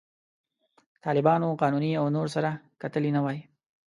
طالبانو، قانوني او نور سره کتلي نه وای.